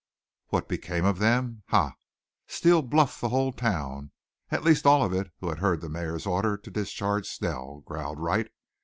"What became of them? Ha! Steele bluffed the whole town at least all of it who had heard the mayor's order to discharge Snell," growled Wright.